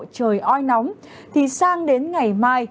trời oi nóng thì sang đến ngày mai